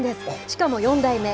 しかも４代目。